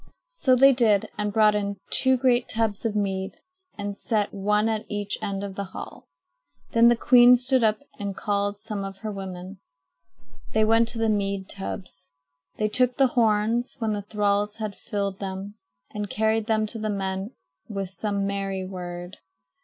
So they did and brought in two great tubs of mead and set one at each end of the hall. Then the queen stood up and called some of her women. They went to the mead tubs. They took the horns, when the thralls had filled them, and carried them to the men with some merry word.